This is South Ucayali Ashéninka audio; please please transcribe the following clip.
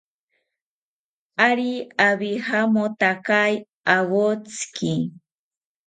Ari awijamotakae awotziki